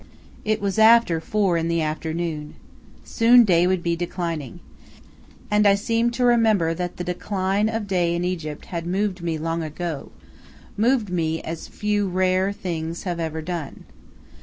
It was after four in the afternoon. Soon day would be declining. And I seemed to remember that the decline of day in Egypt had moved me long ago moved me as few, rare things have ever done.